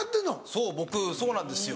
そう僕そうなんですよ。